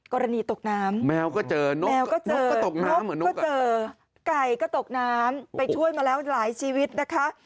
กรณีตกน้ำแมวก็เจอนกก็เจอไก่ก็ตกน้ำไปช่วยมาแล้วหลายชีวิตนะคะ